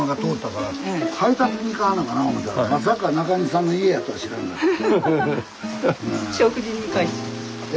まさか中西さんの家やとは知らなかった。